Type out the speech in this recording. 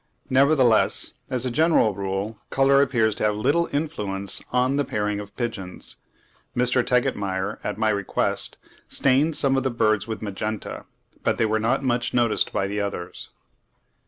Nevertheless, as a general rule, colour appears to have little influence on the pairing of pigeons. Mr. Tegetmeier, at my request, stained some of his birds with magenta, but they were not much noticed by the others.